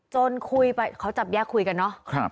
จนคุยไปเขาจับแยกคุยกันเนาะ